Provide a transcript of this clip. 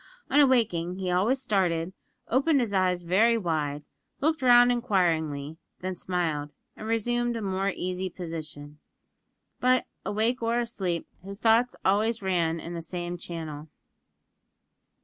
On awaking, he always started, opened his eyes very wide, looked round inquiringly, then smiled, and resumed a more easy position. But, awake or asleep, his thoughts ran always in the same channel.